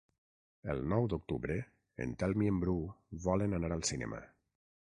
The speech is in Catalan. El nou d'octubre en Telm i en Bru volen anar al cinema.